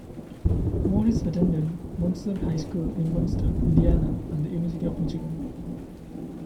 Morris attended Munster High School in Munster, Indiana, and the University of Michigan.